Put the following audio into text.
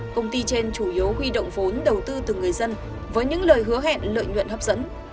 công ty trên chủ yếu huy động vốn đầu tư từ người dân với những lời hứa hẹn lợi nhuận hấp dẫn